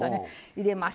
入れます。